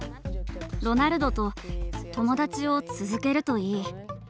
ロナルドと友だちを続けるといい。